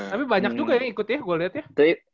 tapi banyak juga yang ikut ya gue liat ya